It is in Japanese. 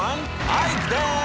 アイクです！